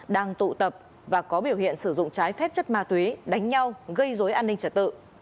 đang tụ tập và có biểu hiện sử dụng trái phép chất ma túy đánh nhau gây dối an ninh trật tự